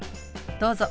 どうぞ。